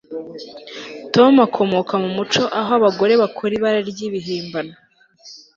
Tom akomoka mu muco aho abagore bakora ibara ryibihimbano